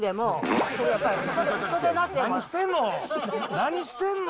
何してんの？